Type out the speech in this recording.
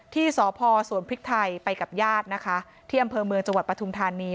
ที่ศพสวรภิกไทยไปกับยาดนะคะที่อำเภอเมืองจังหวัดปทุมธรรมนือ